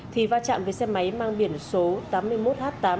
thì va chạm với xe máy mang biển số tám mươi một h tám bốn nghìn một trăm hai mươi bốn